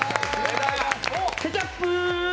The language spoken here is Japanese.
ケチャップ！